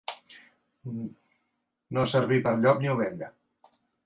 No servir per llop ni ovella.